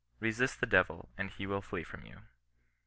Resist the devil, and he will flee from you."